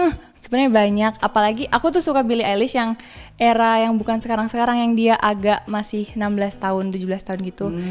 oh sebenarnya banyak apalagi aku tuh suka milih alis yang era yang bukan sekarang sekarang yang dia agak masih enam belas tahun tujuh belas tahun gitu